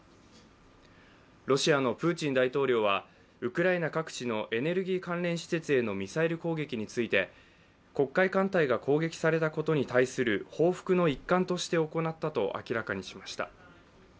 ロシアのプーチン大統領はウクライナ各地のエネルギー関連施設へのミサイル攻撃について黒海艦隊が攻撃されたことに対する報復の一環として行ったと明らかにしました。